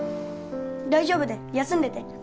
大丈夫だよ休んでて